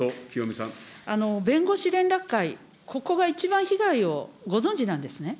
弁護士連絡会、ここが一番被害をご存じなんですね。